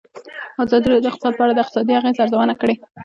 ازادي راډیو د اقتصاد په اړه د اقتصادي اغېزو ارزونه کړې.